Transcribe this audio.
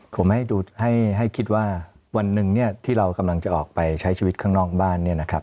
ผมให้คิดว่าวันหนึ่งเนี่ยที่เรากำลังจะออกไปใช้ชีวิตข้างนอกบ้านเนี่ยนะครับ